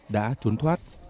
đã trốn thoát